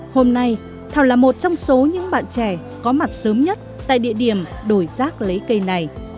hôm nay thảo là một trong số những bạn trẻ có mặt sớm nhất tại địa điểm đổi rác lấy cây này